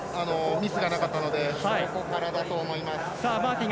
ミスがなかったのでここからだと思います。